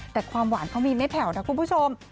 แต่ความหวานเขามีไม่แผ่วนะคุณผู้ชม